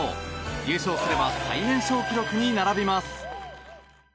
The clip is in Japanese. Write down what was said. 優勝すれば最年少記録に並びます。